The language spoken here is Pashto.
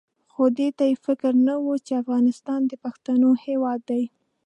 خو دې ته یې فکر نه وو چې افغانستان د پښتنو هېواد دی.